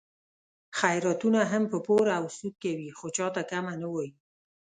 خیراتونه هم په پور او سود کوي، خو چاته کمه نه وایي.